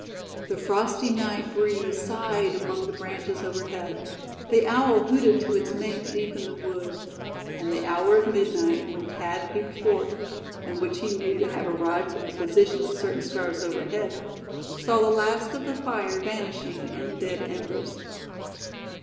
The frosty night breeze sighed among the branches overhead; the owl hooted to its mate deep in the wood; and the hour of midnight, when Thad peeped forth, (and which he knew to have arrived from the position of certain stars overhead), saw the last of the fire vanishing in dead embers.